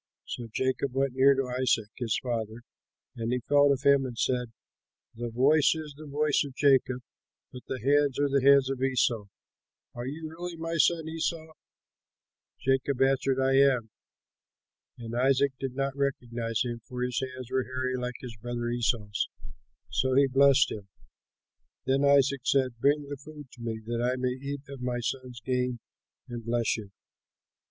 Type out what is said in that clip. So Jacob went near to Isaac his father, and he felt of him and said, "The voice is the voice of Jacob, but the hands are the hands of Esau. Are you really my son Esau?" Jacob answered, "I am." And Isaac did not recognize him, for his hands were hairy like his brother Esau's. So he blessed him. Then Isaac said, "Bring the food to me, that I may eat of my son's game and bless you."